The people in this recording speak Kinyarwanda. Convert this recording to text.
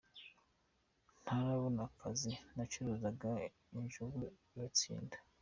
Ntarabona akazi nacuruzaga injugu I Batsinda.